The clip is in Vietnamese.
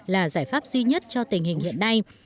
là giải pháp duy nhất cho tình hình hiện nay